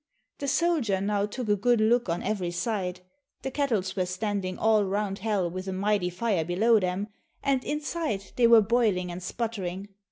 The soldier now took a good look on every side; the kettles were standing all round hell with a mighty fire below them, and inside they were boiling and sputtering.